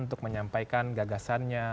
untuk menyampaikan gagasannya